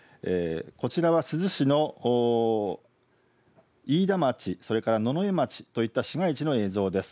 こちらは珠洲市の飯田町、それから野々江町といった市街地の映像です。